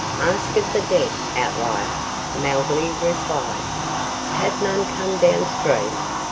"Ask of the dead, Outlier," Mowgli replied. "Have none come down stream?